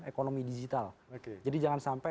ekonomi digital jadi jangan sampai